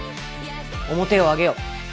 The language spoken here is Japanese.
面を上げよ。